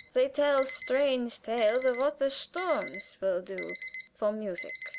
They tell strange tales of what the Sturms will do for music."